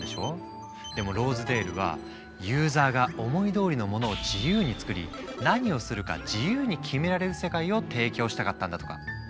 でもローズデールは「ユーザーが思いどおりのものを自由に作り何をするか自由に決められる世界」を提供したかったんだとか。